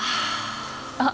あ。